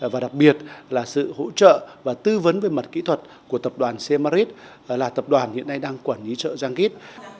và đặc biệt là sự hỗ trợ và tư vấn về mặt kỹ thuật của tập đoàn cmarit là tập đoàn hiện nay đang quản lý chợ giang